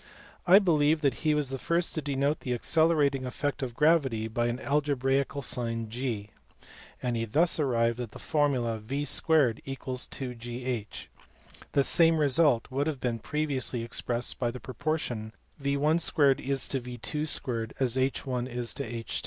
I believe that he was the first to denote the accelerating effect of gravity by an algebraical sign g, and he thus arrived at the formula v 2 2gh : the same result would have been previously expressed by the proportion v* : v 2 2 = h l : h 2